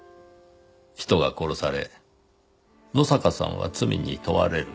人が殺され野坂さんは罪に問われる。